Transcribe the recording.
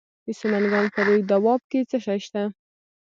د سمنګان په روی دو اب کې څه شی شته؟